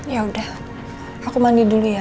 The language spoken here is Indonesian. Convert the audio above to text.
yaudah aku mandi dulu ya